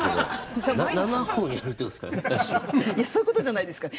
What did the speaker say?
いやそういうことじゃないですか。